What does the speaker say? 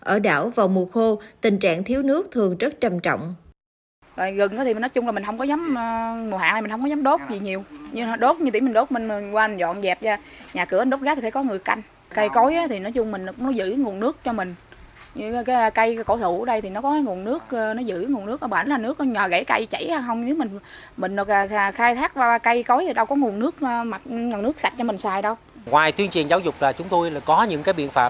ở đảo vào mùa khô tình trạng thiếu nước thường rất trầm trọng